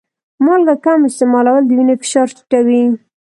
مالګه کم استعمالول د وینې فشار ټیټوي.